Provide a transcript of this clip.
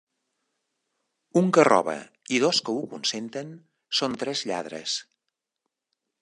Un que roba i dos que ho consenten són tres lladres